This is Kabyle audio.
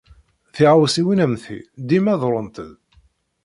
Tiɣawsiwin am ti dima ḍerrunt-d.